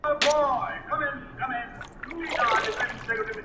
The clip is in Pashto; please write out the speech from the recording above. زه ستا تصوير گورمه پاس سپيني سپوږمۍ كي گراني ؛